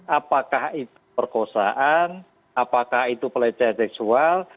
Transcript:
apakah itu perkosaan apakah itu pelecehan seksual